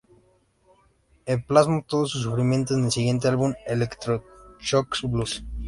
E plasmó todo su sufrimiento en el siguiente álbum "Electro-Shock Blues".